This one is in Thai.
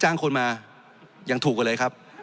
จริงโครงการนี้มันเป็นภาพสะท้อนของรัฐบาลชุดนี้ได้เลยนะครับ